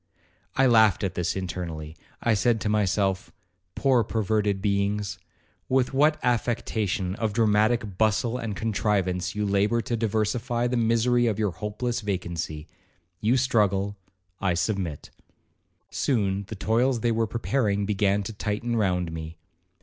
I laughed at this internally. I said to myself, 'Poor perverted beings, with what affectation of dramatic bustle and contrivance you labour to diversify the misery of your hopeless vacancy;—you struggle,—I submit.' Soon the toils they were preparing began to tighten round me.